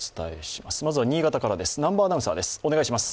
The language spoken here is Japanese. まずは新潟からです。